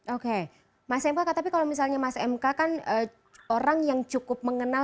oke mas emka tapi kalau misalnya mas mk kan orang yang cukup mengenal